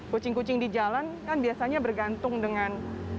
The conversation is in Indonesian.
kucing kucing di jalan kan biasanya bergantung dengan